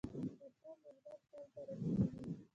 کتل د زړه تل ته رسېږي